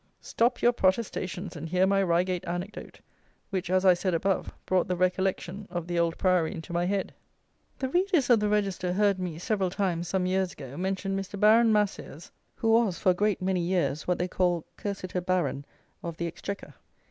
Stop your protestations and hear my Reigate anecdote, which, as I said above, brought the recollection of the Old Priory into my head. The readers of the Register heard me, several times, some years ago, mention Mr. Baron Maseres, who was, for a great many years, what they call Cursitor Baron of the Exchequer.